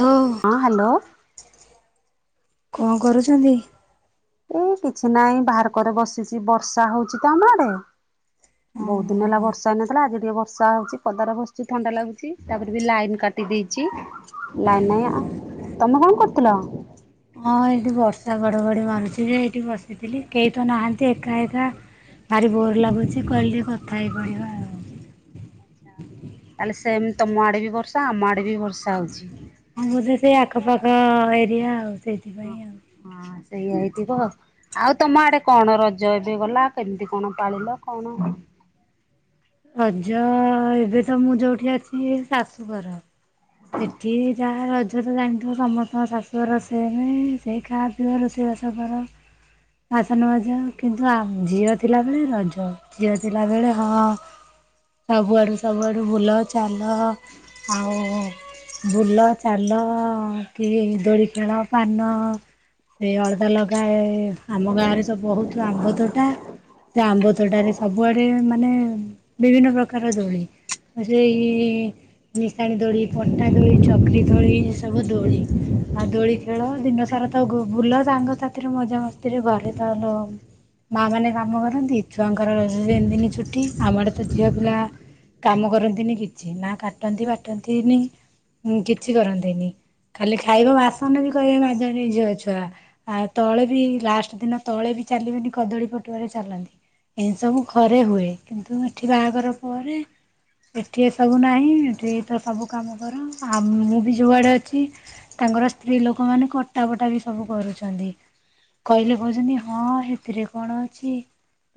Hello ହଁ hello. କଣ କରୁଛନ୍ତି? ଏଇ କିଛି ନାହିଁ ବାହାର କରେ ବସିଛି ବର୍ଷା ହଉଛି ତ ଆମ ଆଡେ। ବହୁତ ଦିନ ହେଲା ଓହୋ। ବର୍ଷ ସା ହେଇନଥିଲା ଆଜି ଟିକେ ବର୍ଷା ହଉଛି ପଦାରେ ବସିଛି ଥଣ୍ଡା ଲାଗୁଛି ତାପରେ ବି ଲାଇନ କାଟି ଦେଇଛି। ଲାଇନ ନାହିଁ ଆ ତମେ କଣ କରୁଥିଲ? ହଁ ଏଇଠି ବର୍ଷା, ଘଡ଼ଘଡ଼ି ମାରୁଛି ଯେ ଏଇଠି ବସିଥିଲି କେହି ତ ନାହାନ୍ତି ଏକା ଏକା। ଭାରି ବୋର୍ ଲାଗୁଛି କହିଲି ଟିକେ କଥା ହେଇପଡିବା ଆଉ। ଆଚ୍ଛା। ତାହେଲେ ସେମ ତମ ଆଡେ ବି ବର୍ଷା ଆମ ଆଡେ ବି ବର୍ଷା ହଉଛି। ହଁ ବୋଧେ ସେ ଆଖପାଖ ଏରିଆ ଆଉ ସେଇଥିପାଇଁ ଆଉ। ହଁ ସେଇୟା ହେଇଥିବ। ଆଉ ତମ ଆଡେ କଣ? ରଜ ଏବେ ଗଲା, କେମିତି କଣ ପାଳିଲ କଣ? ରଜ ଏବେ ତ ମୁଁ ଯୋଉଠି ଅଛି ଶାଶୁଘର। ସେଠି ଯାହା ରଜ ତ ଜାଣିଥିବ ସମସ୍ତଙ୍କ ଶାଶୁ ରୋଷେଇହିଁ ସେଇ ଖା [unintelligible] ରୋଷେଇ ବାସ କର। ବାସନ ମାଜ କିନ୍ତୁ ଆ ଝିଅ ଥିଲାବେଳେ ରଜ ଝିଅ ଥିଲାବେଳେ ହଁ ସବୁଆଡୁ ସବୁଆଡୁ ବୁଲ ଚାଲ ଆଉ ବୁଲ ଚାଲ କି ଦୋଳି ଖେଳ, ପାନ ସେଇ ଅଳତା ଲଗାଏ। ଆମ ଗାଁ ରେ ସେ ବହୁତ ଆମ୍ବ ତୋଟା ସେ ଆମ୍ବ ତୋଟାରେ ସବୁଆଡେ ମାନେ ବିଭିନ୍ନ ପ୍ରକାର ଦୋଳି ଆ ସେଇ ନିଶାଣି ଦୋଳି, ପଟା ଦୋଳି, ଚକ୍ରି ଦୋଳି ଏ ସବୁ ଦୋଳି ଆଉ ଦୋଳି ଖେଳ ଦିନ ସାରା ତ ଗୋ ବୁଲ ସାଙ୍ଗସାଥିରେ ମଜାମସ୍ତିରେ ଘରେ ତ [unintelligible] ମା ମାନେ କାମ କରନ୍ତି, ଛୁଆଙ୍କର ଯେନଦିନି ଛୁଟି ଆମ ଆଡେ ତ ଝିଅ ପିଲା କାମ କରନ୍ତିନି କିଛି, ନା କାଟନ୍ତି ବାଟନ୍ତି ନି। ହୁଁ କିଛି କରନ୍ତିନି, ଖାଲି ଖାଇବେ ବାସନ ବି କରିବେ [unintelligible] ଝିଅ ଛୁଆ। ଆଉ ତଳେ ବି ଲାଷ୍ଟ ଦିନ ତଳେ ବି ଚାଲିବେନି କଦଳୀ ପଟୁଆରେ ଚାଲନ୍ତି। ଏ ସବୁ ଘରେ ହୁଏ କିନ୍ତୁ ଏଠି ବାହାଘର ପରେ ଏଠି ଏ ସବୁ ନାହିଁ। ଏଠି ତ ସବୁ କାମ କର ଆଉ ମୁଁ ବି ଯୁଆଡ଼େ ଅଛି ତାଙ୍କର ସ୍ତ୍ରୀ ଲୋକମାନେ କଟା ବଟା ବି ସବୁ କରୁଛନ୍ତି। କହିଲେ କହୁଛନ୍ତି, ହଁ ହେଥିରେ କଣ ଅଛି?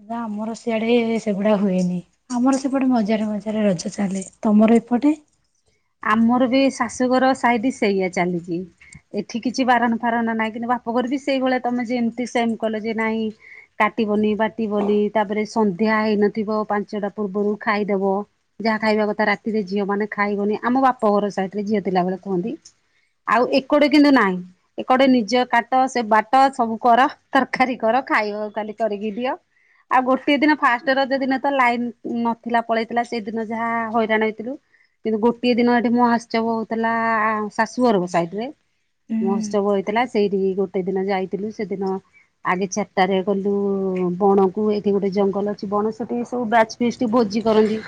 ଗାଁ ଆମର ସିଆଡେ ସେଗୁଡା ହୁଏନି। ଆମର ସେପଟେ ମଜାରେ ମଜାରେ ରଜ ଚାଲେ। ତମର ଏପଟେ? ଆମର ବି ଶାଶୁଘର ସାଇଡ ସେଇଆ ଚାଲିଛି। ଏଠି କିଛି ବାରଣ ବାରଣ ନାଇଁ କିନ୍ତୁ ବାପଘର ବି ସେଇଭଳିଆ ତମେ ଯେମତି ସେମ କହିଲ ଯେ ନାଇଁ କାଟିବନି, ବାଟିବନି ତାପରେ ସନ୍ଧ୍ୟା ହେଇନଥିବ ପାଞ୍ଚଟା ପୂର୍ବରୁ ଖାଇଦେବ। ଯାହା ଖାଇବା କଥା ରାତିରେ ଝିଅ ମାନେ ଖାଇବନି। ଆମ ବାପ ଘର ସାଇଡ ରେ ଝିଅ ଥିଲାବେଳେ କୁହନ୍ତି। ଆଉ ଏକୋଡେ କିନ୍ତୁ ନାହିଁ। ଏ କୋଡେ ନିଜ କାଟ, ସେ ବାଟ, ସବୁ କର, ତରକାରୀ କର ଖାଇବ ଖାଲି କରିକି ଦିଅ। ଆଉ ଗୋଟିଏ ଦିନ ଫାଷ୍ଟ ରଜ ଦିନ ତ ଲାଇନ ନଥିଲା ପଳେଇଥିଲା ସେ ଦିନ ଯାହା ହଇରାଣ ହେଇଥିଲୁ। କିନ୍ତୁ ଗୋଟିଏ ଦିନ ଏଠି ମୋହାତ୍ସବ ହଉଥିଲା ଶାଶୁଘରକୁ ସାଇଡରେ। ହଁ ମହୋତ୍ସବ ହେଇଥିଲା ସେଇଠି ଗୋଟେ ଦିନ ଯାଇଥିଲୁ ସେଦିନ ଆଗେ ଚାରିଟାରେ ଗଲୁ ବଣକୁ ଏଠି ଗୋଟେ ଜଙ୍ଗଲ ଅଛି ବଣ ସେଠି ସବୁ ବ୍ୟାଚ୍ [unintelligible] ଭୋଜି କରନ୍ତି।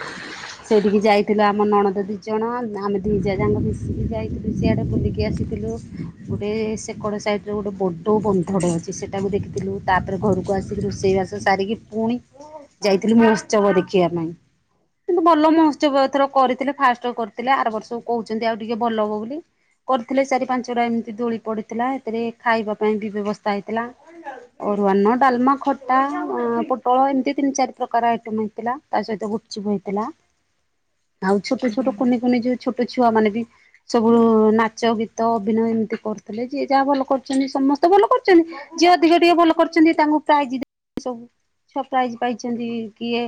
ସେଇଠିକି ଯାଇଥିଲୁ ଆମ ନଣନ୍ଦ ଦି ଜଣ ଆମେ ଦୁଇଜା ଯାକ ମିଶିକି ଯାଇଥିଲୁ ସିଆଡ଼େ ବୁଲିକି ଆସିଥିଲୁ। ଗୋଟେ ସେକଡ ସାଇଡରେ ଗୋଟେ ବଡ ବନ୍ଧଟେ ଅଛି। ସେଟାକୁ ଦେଖିଥିଲୁ ତାପରେ ଘରକୁ ଆସିଥିଲୁ ରୋଷେଇବାସ ସାରିକି ପୁଣି ଯାଇଥିଲୁ ମହୋତ୍ସବ ଦେଖିବା ପାଇଁ। କିନ୍ତୁ ଭଲ ମହୋତ୍ସବ ଏଥର କରିଥିଲେ। ଫାଷ୍ଟ କରିଥିଲେ ଆର ବର୍ଷକୁ କହୁଛନ୍ତି ଆଉ ଟିକେ ଭଲ ହବ ବୋଲି। କରିଥିଲେ ଚାରି ପାଞ୍ଚ ଟା ଏମିତି ଦୋଳି ପଡିଥିଲା। ଏଥିରେ ଖାଇବା ପାଇଁ ବି ବ୍ୟବସ୍ଥା ହେଇଥିଲା। ଅରୁଆନ, ଡାଲମା, ଖଟା, ଅଁ ପୋଟଳ ଏମିତି ତିନି ଚାରି ପ୍ରକାର ଆଇଟମ ହେଇଥିଲା। ତା ସହିତ ଗୁପଚୁପ ହେଇଥିଲା। ଆଉ ଛୋଟ ଛୋଟ କୁନି କୁନି ଯୋଉ ଛୋଟ ଛୁଆ ମାନେ ବି ସବୁୁ ନାଚ ଗୀତ ଅଭିନୟ ଏମ୍ତି କରୁଥିଲେ ଯିଏ ଯା ଭଲ କରୁଚନ୍ତି ସମସ୍ତେ ଭଲ କରୁଚନ୍ତି। ଯିଏ ଅଧିକ ଟିକେ ଭଲ କରିଚନ୍ତି ତାଙ୍କୁ ପ୍ରାଇଜି ଦି [inaudible] ସବୁ ପ୍ରାଇଜି ପାଇଚନ୍ତି କିଏ।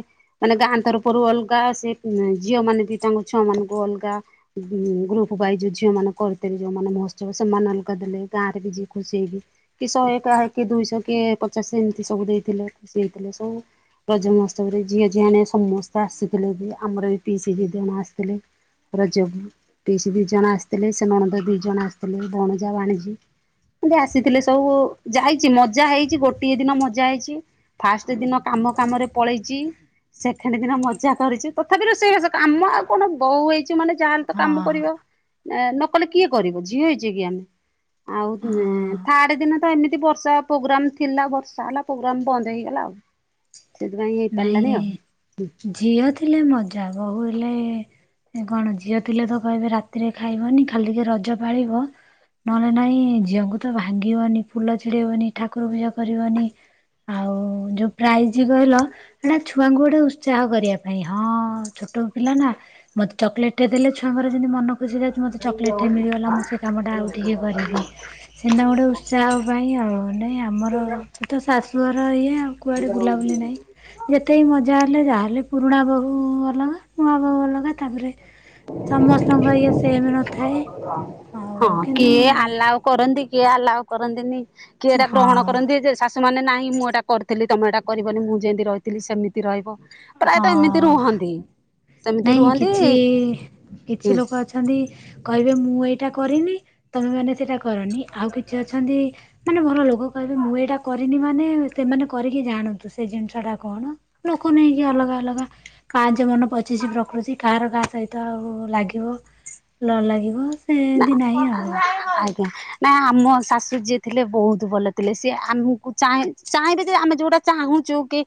ମାନେ ଗାଁ ତରଫରୁ ଅଲ୍ଗା ସେ [unintelligible] ଝିଅ ମାନେ ବି ତାଙ୍କ ଛୁଆ ମାନଙ୍କୁ ଅଲ୍ଗା [unintelligible] ଗ୍ରୁପ ୱାଇଜ୍ ଝିଅ ମାନେ କରିଥି ଯୋଉମାନେ ମହୋତ୍ସବ ସେମାନେ ଅଲ୍ଗା ଦେଲେ ଗାଁରେ ବି ଯିଏ ଖୁସି ହେଇକି କି ଶହେ ପା କି ଦୁଇଶ କି ପଚାଶେ ଏମିତି ସବୁ ଦେଇଥିଲେ ଖୁସି ହେଇଥିଲେ ସବୁ। ରଜ ମହୋତ୍ସବରେ ଝିଅ ଝିଆଣେ ସମସ୍ତେ ଆସିଥିଲେ ବି ଆମର ଏଇ ପିଇସି ଦି ଦଣ ଆସ୍ ଥିଲେ ରଜ ବୁ ପିଇସି ଦି ଜଣ ଆସିଥିଲେ ସେ ନଣନ୍ଦ ଦି ଜଣ ଆସିଥିଲେ ବଣଜା ବାଣିଜି। କିନ୍ତୁ ଆସିଥିଲେ ସବୁ ଯାଇଚି ମଜା ହେଇଚି ଗୋଟିଏ ଦିନ ମଜା ହେଇଚି। ଫାଷ୍ଟ ଦିନ କାମ କାମରେ ପଳେଇଚି ସେଖ୍ ଖେଣ୍ଡ ଦିନ ମଜା କରିଚୁ ତଥାପି ରୋଷେଇ ବାସ କାମ ଆଉ କଣ ବୋଉ ହେଇଚୁ ମାନେ ଯା ହେଲେ ତ କାମ କରିବ। ଏଁ ନ କଲେ କିଏ କରିବ ଝିଅ ହେଇଚେ କି ଆମେ। ଆଉ ହଁ ଏଁ ଥାର୍ଡ ଦିନ ତ ଏମିତି ବର୍ଷା ପୋଗ୍ରାମ୍ ଥିଲା ବର୍ଷା ହେଲା। ପୋଗ୍ରାମ୍ ବନ୍ଦ ହେଇଗଲା ଆଉ ସେଥିପାଇଁ ହେଇ ପାରିଲାନି ନାଇଁ ଆଉ। ଝିଅ ଥିଲେ ମଜା ବହୁ ହେଲେ ଏ କଣ ଝିଅ ଥିଲେ ତ କହିବେ ରାତିରେ ଖାଇବନି ଖାଲି ଟିକେ ରଜ ପାଳିବ। ନହେଲେ ନାଇଁ ଝିଅଙ୍କୁ ତ ଭାଙ୍ଗିବନି ଫୁଲ ଛିଡେଇବନି ଠାକୁର ପୂଜା କରିବନି। ଆଉ ଯୋ ପ୍ରାଇଜି କହିଲ ଏଟା ଛୁଆଙ୍କୁ ଗୋଟେ ଉତ୍ସାହ କରିଆ ପାଇଁ ହଁ ଛୋଟ ପିଲା ନା ମତ୍ ଚକଲେଟ୍ ଟେ ଦେଲେ ଛୁଆଙ୍କର ଯେନ୍ତି ମନ ଖୁସି ଲାଗୁଚି ମୋତେ ଚକଲେଟ୍ ଟେ ମିଳିଗଲା ମୁଁ ସେ କାମଟା ଆଉ ଟିକେ କରିବି। ସେନ୍ଦା ଗୋଟେ ଉତ୍ସାହ ପାଇଁ ଆଉ ନାଇଁ ଆମର ତ ଶାଶୁଘର ଏଇଆ ଆଉ। କୁଆଡ଼େ ବୁଲାବୁଲି ନାଇଁ। ଯେତେ ମଜା ହେଲେ ଯା ହେଲେ ପୁରୁଣା ବୋହୁ ଅଲଗା ନୂଆ ବୋହୁ ଅଲଗା। ତାପରେ ସମସ୍ତଙ୍କର ଇଏ ସେମ୍ ନଥାଏ ହଁ ଆଉ କିନ୍ତୁ କିଏ ଆଲାଉ କରନ୍ତି କିଏ ଆଲାଓ କରନ୍ତିନି କିଏ ଏଟା ଗ୍ରହଣ ହଁ କରନ୍ତି ଯେ ଶାଶ୍ ସେମାନେ ନାଇଁ ମୁଁ ଏଇଟା କରିଥିଲି ତମେ ଏଇଟା କରିବନି ମୁଁ ଯେନ୍ତି ରହିଥିଲି ସେମିତି ରହିବ। ପ୍ରାୟତ ହଁ ଏମିତି ରୁହନ୍ତି ସେମିତି ରୁହନ୍ ଛି କିଛି ଲୋକ ଅଛନ୍ତି କହିବେ ମୁଁ ଏଇଟା କରିନି ତମେ ମାନେ ସେଟା କରନି ଆଉ କିଛି ଅଛନ୍ତି ମାନେ ଭଲ ଲୋକ କହିବେ ମୁଁ ଏଇଟା କରିନି ମାନେ ସେମାନେ କରିକି ଜାଣନ୍ତୁ ସେ ଜିନିଷ ଟା କଣ? ଲୋକ ନେଇକି ଅଲଗା ଅଲଗା ପାଞ୍ଚ ମନ ପଚିଶି ପ୍ରକୃତି କାହାର କାହା ସହି ତ ଆଉ ଲାଗିବ ଲ ଲାଗିବ। ନା ସେମିତି ନାହିଁ ଆଉ [unintelligible] ଆଜ୍ଞା। ନାଇ ଆମ ଶାଶୁ ଯିଏ ଥିଲେ ବହୁତୁ ଭଲ ଥିଲେ ସିଏ ଆମକୁ ଚାଁ ଚାଇଁବେ ଯେ ଆମେ ଯୋଉଟା ଚାହୁଁଚୁ କି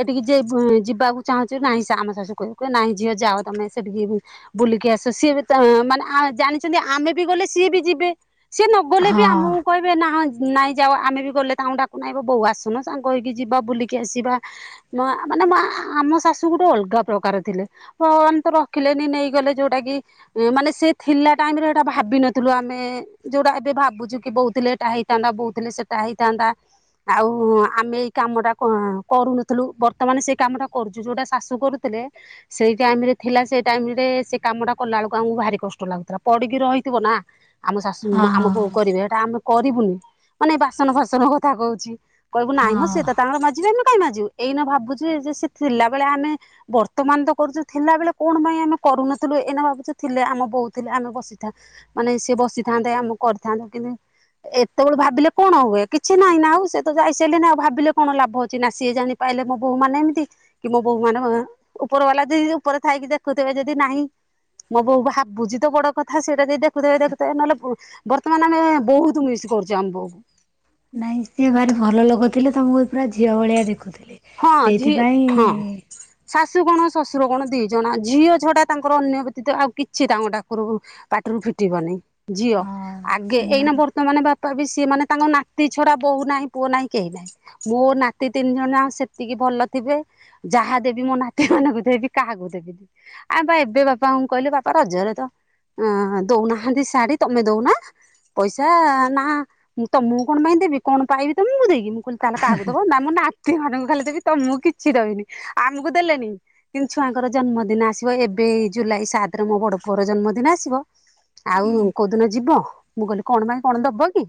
ଏଠିକି ଯେ [unintelligible] ଯିବାକୁ ଚାହୁଁଚୁ ନାହିଁ ସା ଆମ ଶାଶୁ କହିବ [unintelligible] ନାହିଁ ଝିଅ ଯାଅ ତମେ ସେଠିକି ବୁ ବୁଲିକି ଆସ ସିଏ ବି ଚାଁ ମାନେ ଆଁ ଜାଣି ଚନ୍ତି ଆମେ ବି ଗଲେ ସିଏ ବି ଯିବେ ସିଏ ନ ଗଲେ ବି ହଁ ଆମକୁ କହି ଏବେ ନାହଁ ନାଇଁ ଯାଅ ଆମେ ବି ଗଲେ ତାଙ୍କୁ ଡାକୁନା [unintelligible] ବୋଉ ଆସୁନ ସାଙ୍ଗ ହେଇକି ଯିବା ବୁଲିକି ଆସିବା। ମା ମାନେ ମା ଆମ ଶାଶୁ ଗୋଟେ ଅଲ୍ଗା ପ୍ରକାର ଥିଲେ। ଭଗବାନ୍ ତ ରଖିଲେନି ନେଇଗଲେ ଯୋଉଟା କି ଏଁ ମାନେ ସେ ଥିଲା ଟାଇମ୍ ରେ ଏଇଟା ଭାବିନଥିଲୁ ଆମେ ଯୋଉଟା ଏବେ ଭାବୁଚୁ କି ବୋଉ ଥିଲେ ଏଟା ହେଇଥାନ୍ତା ବୋଉ ଥିଲେ ସେଟା ହେଇଥାନ୍ତା। ଆଉ ଆମେ ଏଇ କାମ ଟା କଁ କରୁନଥୁଲୁ ବର୍ତ୍ତମାନ ସେଇ କାମ ଟା କରୁଚୁ ଯୋଉଟା ଶାଶୁ କରୁ ସେଇ ଟାଇମ୍ ରେ ଥିଲା ସେଇ ଟାଇମ୍ ରେ ସେ କାମ ଟା କଲା ବେଳକୁ ଆମକୁ ଭାରି କଷ୍ଟ ଲାଗୁଥିଲା। ପଡ଼ିକି ରହିଥିବ ନା ଆମ ଶାଶୁ ଆମ ବହୁ ହଁ କରିବେ ଏଇଟା ଆମେ କରିବୁନି ମାନେ ବାସନ ଫାସନ କଥା କହୁଚି। କହିବୁ ନାଇଁ ମ ସେ ହଁ ତ ତାଙ୍କର ମାଜିବେ ଏମି କାଇଁ ମାଜିବୁ ଏଇ ନ ଭାବୁ ଯେ ସେ ଥିଲାବେଳେ ଆମେ ବର୍ତ୍ତମାନ ତ କରୁଛୁ ଥିଲାବେଳେ କଣ ପାଇଁ ଆମେ କରୁନଥିଲୁ ଏଇନା ଭାବୁଛୁ ଥିଲେ ଆମ ବୋଉଥିଲେ ଆମେ ଥା ମାନେ ସେ ବସିଥାନ୍ତେ ଆମକୁ କରିଥାନ୍ତେ କିନ୍ତୁ ଏତେବେଳ ଭାବିଲେ କଣ ହୁଏ କିଛି ନାହିଁ ନା ଆଉ ସେ ତ ଯାଇସାରିଲେ ନା ଆଉ ଭାବିଲେ କଣ ଲାଭ ଅଛି ନା ସିଏ ଜା ପାଇଲେ ମୋ ବୋହୁ ମାନ ଏମିତି କି ମୋ ବୋହୂ ମାନେ ଉପର ବାଲା ଯଦି ଉପରେ ଥାଇକି ଦେଖୁଥିବେ ଯଦି ନାହିଁ ମଁ ବୋହୂ ଭାବୁଚି ତ ବଡ କଥା ସେଇଟା ଯଦି ଦେଖୁଥିବ ଦେଖୁଥିବେ ନହେଲେ ବର୍ତ୍ତମାନ ଆମେ ବହୁତ ମିସ୍ କରୁଛୁ ଆମ୍ବକୁ ନାଇଁ ସିଏ ଭାରି ଭଲ ଲୋଗୋଥିଲେ ତମକୁ ପୁରା ଝିଅ ଭଳିଆ ଦେଖୁଥିଲେ। ହଁ ଝି- ସେଇଥିପାଇଁ ହଁ ହଁ। ଶାଶୁ କଣ ଶ୍ୱଶୁର କଣ ଦି ଜଣ ଝିଅ ଛଡା ତାଙ୍କର ଅନ୍ୟ ବ୍ୟତୀତ ଆଉ କିଛି ତାଙ୍କ ଡାକରକୁ ପାଟିରୁ ଫିଟିବନି ଝିଅ ହଁ ଆଗେ ଏଇ ସେମାନେ ନମ୍ବର ତ ମାନେ ବାପା ବି ସିଏ ମାନେ ତାଙ୍କ ନାତି ଛଡା ବୋହୂ ନାହିଁ ପୁଅ ନାହିଁ କେହି ନାହିଁ। ମୋ ନାତି ତିନି ଜଣଯାଙ୍କ ସେ ତିକି ଭଲ ଥିବେ ଯାହା ଦେବି ମୋ ନାତି ମାନଙ୍କୁ ଦେବି କାହାକୁ ଦେବିି। ଆ ବା ଏବେ ବାପାଙ୍କୁ କହିଲି ବାପା ରଜରେ ତ ଉଁ ଦଉନାହାନ୍ତି ଶାଢ଼ୀ ତମେ ଦଉନା? ପଇସା ନା ମୁଁ ତମକୁ କଣ ପାଇଁ ଦେବି କଣ ପାଇବି ତମକୁ ଦେଇକି? ମୁଁ କଇଲି ତାହେଲେ କାହାକୁ ଦବ? ନା ମୁଁ ନାତି ମାନଙ୍କୁ ଖାଲି ଦେବି ତମକୁ କିଛି ଦେବନି ଆମକୁ ଦେଲେନି କିନ୍ତୁ ଛୁଆଙ୍କର ଜନ୍ମଦିନ ଆସିବ ଏବେ ଜୁଲାଇ ସାତ୍ ରେ ମୋ ବଡ ପୁଅର ଜନ୍ମଦିନ ଆସିବ ଆଉ କୋଉଦିନ ଯିବ? ମୁଁ କହିଲି କଣ ପାଇଁ କଣ ଦବ କି?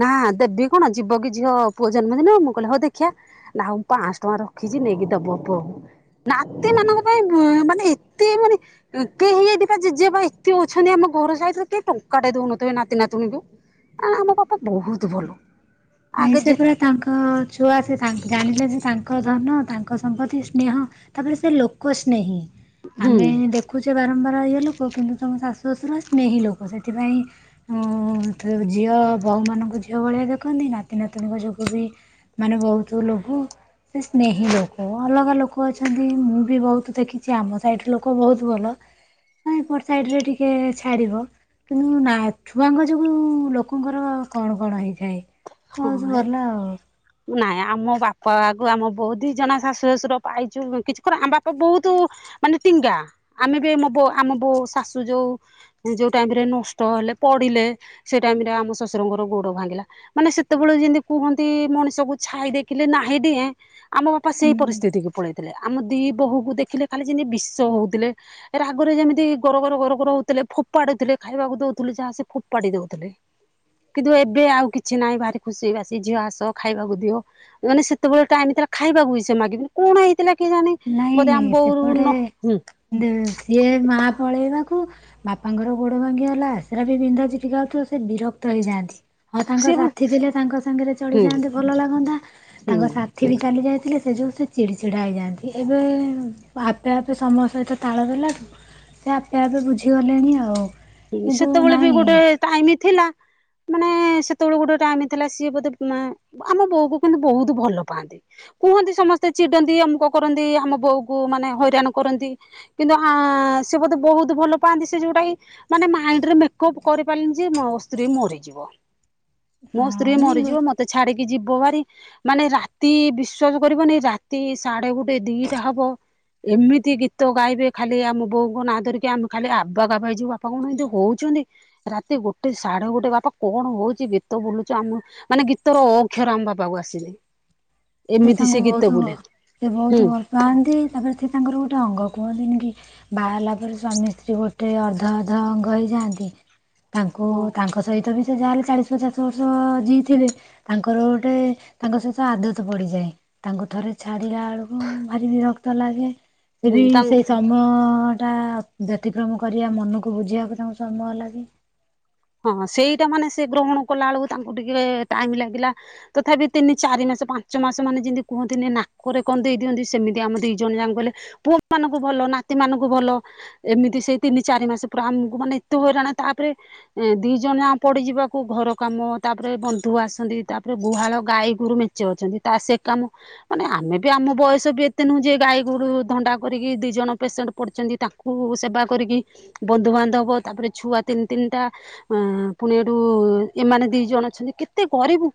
ନା ଦେବି କଣ ଯିବ କି ଝିଅ ପୁଅ ଜନ୍ମଦିନ କୁ? ମୁଁ କହିଲେ ହଉ ଦେଖିଆ ନା ଆଉ ପାନ୍ସ ଟଙ୍କା ରଖିଛି ନେଇକି ଦବ ପୁଅକୁ। ନାତି ମାନଙ୍କ ପାଇଁ ମାନେ ଏତେ ମାନେ କେହି ଏଠିପା ଜେଜେ ବାପା ଏତେ ଅଛନ୍ତି ଆମ ଘର ସାଇଟ୍ ରେ କେହି ଟଙ୍କା ଟା ଦଉନଥିବେ ନାତିନାତୁଣୀକୁ। ଆ ଆମ ବାପା ବହୁତ୍ ଭଲ। ନାଇଁ ଆଗେ ସେ ଯେ ପୁରା ତାଙ୍କ ଛୁଆ ସେ ତା-ଜାଣିଲେ ସେ ତାଙ୍କ ଧନ ତାଙ୍କ ଙ୍କ ସମ୍ପତ୍ତି ସ୍ନେହ। ତାପରେ ସେ ଲୋକ ସ୍ନେହି। ହୁଁ ଆମେ ଦେ ଖୁଛେ ବାରମ୍ବାର ଇଏ ଲୋକ କିନ୍ତୁ ତମ ଶାଶୁ ଶ୍ୱଶୁର ସ୍ନେହୀ ଲୋକ ସେଥିପାଇଁ ଉ ତ ଝିଅ ବୋହୂ ମାନଙ୍କୁ ଝିଅ ଭଳିଆ ଦେଖନ୍ତି ନାତି ନତିୁଣୀଙ୍କ ଯୋଗୁ ବି ମାନେ ବହୁତୁ ଲୋଭ ସେ ସ୍ନେହୀ ଲୋକ। ଅଲଗା ଲୋକ ଅଛନ୍ତି ମୁଁ ବି ବହୁତ ଦେଖିଛି ଆମ ସାଇଟ୍ ଲୋକ ବହୁତ ଭଲ ହଁ ଏପଟ୍ ସାଇଟ୍ ରେ ଟିକେ ଛାଡିବ। କିନ୍ତୁ ନା ଛୁଆଙ୍କ ଯୋଗୁଁ ଲୋକଙ୍କର କଣ କଣ ହେଇଥାଏ। ହଁ ବହୁତ ଏ। ଭଲ ଆଉ ନାଇଁ ଆମ ବାପା ଆଗକୁ ଆମେ ବହୁ ଦି ଜଣ ଶାଶୁର ଶ୍ୱଶୁର ପାଇଛୁ କିଛି କ ଆମ ବାପା ବହୁତୁ ମାନେ ଟିଙ୍ଗା ଆମେ ବି ଏ ମବ-ଆମ ବୋଉ ଶାଶୁ ଯୋଉ ଯୋଉ ଟାଇମ୍ ରେ ନଷ୍ଟ ହେଲେ ପଡିଲେ ସେ ଟାଇମ୍ ରେ ଆମ ଶଶୁରଙ୍ଗର ଗୋଡ ଭାଙ୍ଗିଲା ମାନେ ସେତେବେଳେ ଯେମିତି କୁହନ୍ତି ମଣିଷକୁ ଛାଇ ଦେଖିଲେ ନାହି ଡିଏଁ ଆମ ବାପା ସେଇ ପରିସ୍ଥିତିକୁ ପଳେଇଥିଲେ, ଆମ ଦି ବୋହୂ କୁ ଦେଖିଲେ ଖାଲି ଯେମିତି ବିଷ ହଉଥିଲେ। ଏ ରାଗରେ ଯେମିତି ଗର ଗର ଗରଗର ହଉଥିଲେ ଫୋପାଡୁଥିଲେ ଖାଇବାକୁ ଦଉଥିଲୁ ଯାହା ସେ ଫୋପାଡି ଦଉଥିଲେ। କିନ୍ତୁ ଏବେ ଆଉ କିଛି ନାହିଁ ଭାରି ଖୁସି ବାସି ଝିଅ ଆସ ଖାଇବାକୁ ଦିଅ। ମାନେ ସେତେବେଳେ ଟାଇମ୍ ତା ଖାଇବାକୁବି ସେ ମାଗିବି କଣ ଏ ଥିଲା କେଜାଣି ବୋଧେ ଆମ ବୋଉ ନ ହୁଁ ଦିନ ସିଏ ମା ପଳେଇବାକୁ ବାପାଙ୍କର ଗୋଡ ଭାଙ୍ଗି ଗଲା ସେରା ବି ବିନ୍ଧା ଛିଟିକା ହଉଥିବ ସେ ବିରକ୍ତ ହେଇଯାଆନ୍ତି। ହଁ ତାଙ୍କ ସିଏ ସାଥି ଥିଲେ ତାଙ୍କ ସାଙ୍ଗରେ ହୁଁ ଚଳିଯାଆନ୍ତେ ଭଲ ଲାଗନ୍ତା। ହୁଁ ତାଙ୍କ ସା ଥିବି ଚାଲି ଯାଇଥିଲେ ସେ ଯେଉଁ ସେ ଚିଡି ଚିଡା ହୋଇଯାଆନ୍ତି। ଏବେ ଆପେ ଆପେ ସମୟ ସହିତ ତାଳ ଦେଲାଠୁ ସେ ଆପେ ଆପେ ତ ବୁଝିଗଲେଣି ଆଉ। ହୁଁ କିନ୍ତୁ ସେତେବେଳେ ବି ନାଇଁ ଗୋଟେ ଟାଇମ ଥିଲା। ମାନେ ସେତେବେଳେ ଗୋଟେ ଟାଇମ ଥିଲା ସିଏ ବୋଧେ ଆମ ବୋଉ କୁ କିନ୍ତୁ ବହୁତ ଭଲ ପାଆନ୍ତି। କୁହନ୍ତି ସମସ୍ତେ ଚିଡନ୍ତି ଅମୁକ କରନ୍ତି ଆମ ବୋଉ କୁ ମାନେ ହଇରାଣ କରନ୍ତି। କିନ୍ତୁ ଆଁ ସେ ବୋଧେ ବହୁତ ଭଲ ପାଆନ୍ତି ସେ ଯୋଉଟା କି ମାନେ ମାଇଣ୍ଡ ରେ ମେକଅପ୍ କରିପାରିଲେନି ଯେ ମୋ ସ୍ତ୍ରୀ ମରିଯିବ। ମୋ ହଁ ସ୍ତ୍ରୀ ନାଇଁ ବ- ମରିଯିବ ମତେ ଛାଡିକି ଯିବ ଭାରି ମାନେ ରାତି ବିଶ୍ଵାସ କରିବନି ରାତି ସାଢେ ଗୋଟେ ଦିଟା ହବ ଏମିତି ଗୀତ ଗାଇବେ ଖାଲି ଆମ ବୋଉଙ୍କ ନାଁ ଧରିକି ଆମେ ଖାଲି ଆବା କାବା ହେଇଯିବୁଆଉ। ବାପା କଣ ଏଉ ହଉଛନ୍ତି ରାତି ଗୋଟେ ସାଢେ ଗୋଟେ ବାପା କଣ ହଉଛି ଗୀତ ବୁଲୁଛ ଆମ। ମାନେ ଗୀତର ଅ ଅକ୍ଷର ଆମ ବାପାକୁ ଆସିନି। ସେ ଏମିତି ତାଙ୍କୁ ଗୀତ ବହୁତ ବୁଲେ ସେ ହୁଁ ବହୁତ ଭଲ। ପାଆନ୍ତି ତାପରେ ସେ ତାଙ୍କର ଗୋଟେ ଅଙ୍ଗ କୁହନ୍ତିନି କି। ବାହାହେଲା ପରେ ସ୍ୱାମୀ ସ୍ତ୍ରୀ ଗୋଟେ ଅର୍ଧ ଅର୍ଧ ଅଙ୍ଗ ହେଇଯାଆନ୍ତି। ତାଙ୍କୁ ହୁଁ ତାଙ୍କ ସହିତ ବି ଯାହାଲେ ଚାଳିଶ ପଚାଶ ବର୍ଷ ଯିଇଁ ଥିଲେ ତାଙ୍କର ଗୋଟେ ତାଙ୍କ ସହିତ ଆଦତ ତ ବଢ଼ିଯାଏ ତାଙ୍କୁ ଥରେ ଛାଡିଲା ବେଳକୁ ଭାରି ବିରକ୍ତ ଲାଗେ ସେ ବି ତାଙ୍କ ସେ ସମୟଟା ବ୍ୟତିକ୍ରମ କରିବା ମନକୁ ବୁଝିବାକୁ ତାଙ୍କୁ ସମୟ ଲାଗେ। ହଁ ସେଇଟା ମାନେ ସେ ଗ୍ରହଣ କଲା ବେଳକୁ ତାଙ୍କୁ ଟିକେ ଟାଇମ ଲାଗିଲା। ତଥାପି ତିନି ଚାରି ମାସ ପାଞ୍ଚ ମାସ ମାନେ ଯେମିତି କୁହନ୍ତିନି ନାକରେ କନ୍ଦେଇ ଦିଅନ୍ତି, ସେମିତି ଆମ ଦି ଜଣ ଯାକ କହିଲେ ପୁଅ ମାନଙ୍କୁ ଭଲ ନାତି ମାନଙ୍କୁ ଭଲ। ଏମିତି ସେଇ ତିନି ଚାରି ମାସ ପୁରା ଆମକୁ ମାନେ ଏତେ ହଇରାଣ ତାପରେ ଦି ଜଣ ଯାକ ପଡିଯିବାକୁ ଘର କାମ ତାପରେ ବନ୍ଧୁ ଆସନ୍ତି ତାପରେ ଗୁହାଳ ଗାଈ ଗୋରୁ ମେ ମେ ଞ୍ଚେ ଅଛନ୍ତି ତାର ସେ କାମ। ମାନେ ଆମେ ବି ଆମ ବୟସ ବି ଏତେ ନୁହଁ ଯେ ଗାଈ ଗୋରୁ ଧନ୍ଧା କରିକି ଦି ଜଣ ପେସେଣ୍ଟ ପଡିଛନ୍ତି ତାଙ୍କୁ ଗୋରୁ ସେବା କରିକି ବନ୍ଧୁବାନ୍ଧବ ତାପରେ ଛୁଆ ତିନି ତିନିଟା। ଏଁ ପୁଣି ଏଠୁ ଏମାନେ ଦି ଜଣ ଅଛନ୍ତି କେତେ କରିବୁ?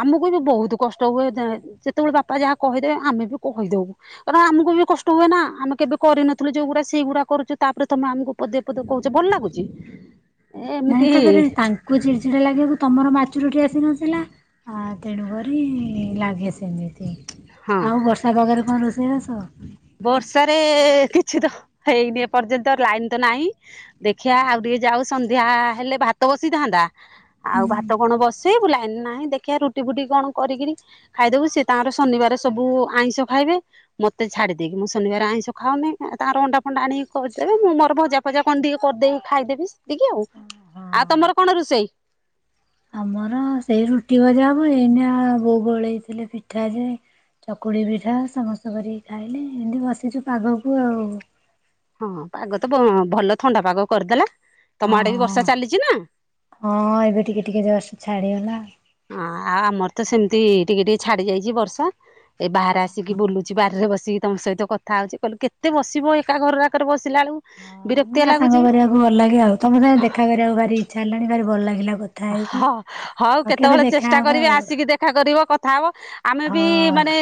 ଆମକୁ ବି ବହୁତ କଷ୍ଟ ହୁଏ ସେତେବେଳେ ବାପା ଯାହା କହିଦେବେ ଆମେ ବି କହିଦେଉୁ। କାରଣ ଆମକୁ ବି କଷ୍ଟ ହୁଏ ନା ଆମେ କେବେ କରିନଥିଲୁ ଯୋଉଗୁରା ସେଇଗୁରା କରୁଚୁ ତାପରେ ତମେ ଆମକୁ ପଦିଏ ପଦିଏ କହୁଛ ଭଲ ଲାଗୁଛି। ନାଇଁ ଏମିତି ତାପରେ ତାଙ୍କୁ ଚିଡି ଚିଡା ଲାଗିବାକୁ ତମର ମାଚୁରଟି ଆସି ନଥିଲା। ଆ ତେଣୁକରି ଲାଗେ ସେମିତି। ହଁ ଆଉ ବର୍ଷା ପାଗରେ କଣ ରୋଷେଇବାସ। ବର୍ଷାରେ କିଛି ତ ହେଇନି ଏପର୍ଯ୍ୟନ୍ତ ଲାଇନ ତ ନାହିଁ। ଦେଖିଆ ଆଉ ଟିକେ ଯାଉ ସନ୍ଧ୍ୟା ହେଲେ ଭାତ ବସିଥାନ୍ତା ଆଉ ହଁ ଭାତ କଣ ବସି ସେ ବୁଲାଇନି ନାହିଁ ଦେଖିବା ରୁଟି ଫୁଟି କଣ କରିକିରି। ଖାଇଦବୁ ସେ ତାଙ୍କର ଶନିବାର ସବୁ ଆଇଁଷ ଖାଇବେ ମତେ ଛାଡ଼ି ଦେଇକି ମୁ ଶନିବାର ଆଇଁଷ ଖାଉନି ତାଙ୍କର ଅଣ୍ଡା ଫଣ୍ଡା ଆଣିକି କରିଦେବେ ମୁଁ ଭଜା ଫଜା କଣ ଟିକେ କି କରିଦେଇି ଖାଇଦେବି। ଏତିକି ଆଉ ଆଉ ତମର କଣ ରୋଷେଇ? ଆମର ହଁ ସେଇ ରୁଟି ଭଜା ହବ ଏଇନା ବୋଉ ଗୋଳେଇଥିଲେ ପିଠା ଯେ ଚକୁଳି ପିଠା ସମସ୍ତ କରିକି ଖାଇଲେ ଏମିତି ବସିଛୁ ପାଗକୁ ଆଉ। ହଁ ପାଗ ତ ବଁ ଭଲ ଥଣ୍ଡା ପାଗ କରିଦେଲା ହଁ ତମ ଆଡେ ବି ବର୍ଷା ଚାଲିଛି ନା? ହଁ ଏବେ ଟିକେ ଟିକେ ଜଷ୍ଟ ଛାଡିଗଲା। ଅଁ ଆଉ ଆମର ତ ସେମତି ଟିକେ ଟିକେ ଛାଡି ଯାଇଛି ବର୍ଷା ଏ ବାହାରେ ଆସିକି ବୁଲୁଛି ବାରିରେ ବସିକି ତମ ସହିତ କ ଥାଉଛି କହିଲୁ କେତେ ବସିବ ଏକା ଘର ଆକରେ ବସିଲା ବଳୁ ହଁ ନୂଆ ସାଙ୍ଗ କରିବାକୁ ଭଲ ଲାଗେ ଆଉ ତମ ସାଙ୍ଗ ଦେଖା କରିବାକୁ ଭାରି ଇଚ୍ଛା ହେଲାଣି ଭାରି ଭଲ ଲାଗିଲା କ ହ ହଉ କେତେବେଳେ ଚେଷ୍ଟା କରିକି ଆଉ। ଆସିକି ଦେଖା କରିବ କଥା ହବ। ଆମେ ବି ହଁ ମାନେ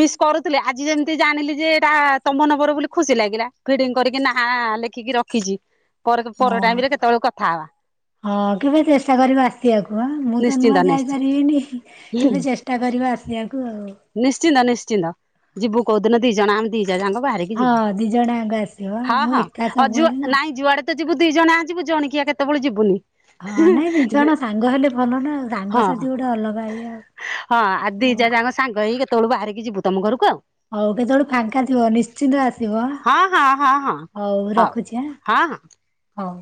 ମିସ୍ କରୁଥିଲି ଆଜି ଯେମିତି ଜାଣିଲି ଯେ ଏଇଟା ତମ ନମ୍ବର ବୋଲି ଖୁସି ଲାଗିଲା ଫିଡିଙ୍ଗି କରିକି ନାହା ଲେଖିକି ର ଖିଛି ପରେ ପର ହଁ। ଟାଇମ୍ ରେ କେତେବେଳୁ କଥା ହବା। ହଁ କେବେ ଚେଷ୍ଟା କରିବା ଆ ସିଆକୁ ଆଁ ମୁଁ ତ ନିଶ୍ଚିନ୍ତ ନୂଆ ଯାଇ ନିଶ୍ଚିନ୍ତ ପାରିବିନି ହୁଁ କେବେ ଚେଷ୍ଟା କରିବ ଆସିଆକୁ ଆଉ। ନିଶ୍ଚିନ୍ତ ନିଶ୍ଚିନ୍ତ ଯିବୁ କୋଉଦିନ ଦି ଜଣ ଆଁ ଦି ଯା ଜାଙ୍କ ବାହାରିକି ହଁ ଯିବୁ ଦି ଜଣ ଆଙ୍କ ଆସିବ ହଁ ମୁଁ ହଁ ଏକା ଅଜୁ ସବୁବେଳେ ନା। ନାଇଁ ଯୁଆଡେ ଯିବୁ ଦି ଜଣ ଆ ଯିବୁ ଜଣିକିଆ କେତେବଳୁ ଯିବୁନି। ହଁ ନାଇଁ ନାଇଁ ଜଣ ସାଙ୍ଗ ହେଲେ ଭଲ ନା ଆଉ ହଁ ରାଙ୍ଗସାଥିୀ ଗୋଟେ ଅଲଗା ଇଏ ଆଉ। ହଁ ଆ ଦି ହଉ ଯା ଯାକ ସାଙ୍ଗ ହେଇ କେତେବେଳୁ ବାହାରିକି ଯିବୁ ତମ ଘରକୁ ଆଉ। ହଉ କେତେବେଳୁ ଫାଙ୍କା ଥିବ ନିଶ୍ଚିନ୍ତ ଆସିବ ଆଁ। ହଁ ହଁ ହଁ ହଁ ହଉ ହଁ ରଖୁଛି ଆଁ ହଁ। ହଉ।